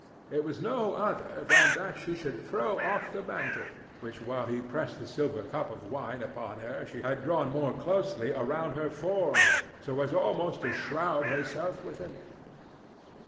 It was no other than that she should throw off the mantle, which while he pressed the silver cup of wine upon her she had drawn more closely around her form, so as almost to shroud herself within it.